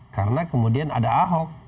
karena kemudian ada ahok